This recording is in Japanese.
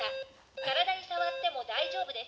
体にさわっても大丈夫です。